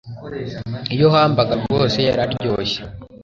Iyo hamburger rwose yararyoshye